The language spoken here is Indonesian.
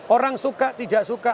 orang suka tidak suka